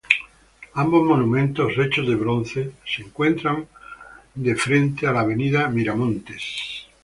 Ambos monumentos hechos de bronce, se encuentran de frente a la avenida Miramontes.